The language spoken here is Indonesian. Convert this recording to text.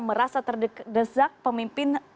pemerintah hongkong merasa terdesak